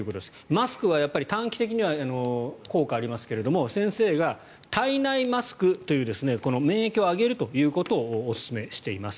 マスクは短期的には効果がありますが先生が体内マスクという免疫をあげるということをおすすめしています。